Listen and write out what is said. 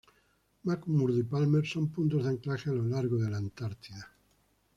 McMurdo y Palmer son puntos de anclaje a lo largo de la Antártida.